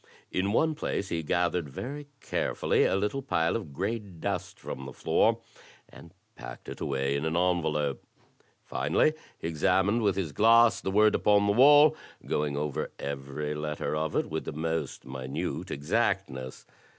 In one place he gathered very carefully a little pile of gray dust from the floor, and packed it away in an envelope. Finally he examined with his glass the word upon the wall, going over every letter of it with the most minute exactness.